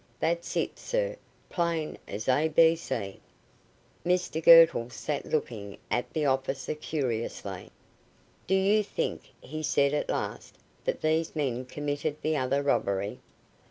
That's it, sir. Plain as A, B, C." Mr Girtle sat looking at the officer, curiously. "Do you think," he said at last, "that these men committed the other robbery?"